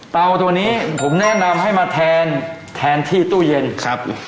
ตัวนี้ผมแนะนำให้มาแทนแทนที่ตู้เย็นครับ